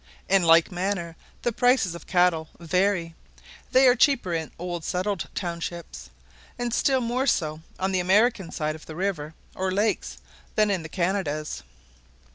In like manner the prices of cattle vary: they are cheaper in old settled townships, and still more so on the American side the river or lakes, than in the Canadas*.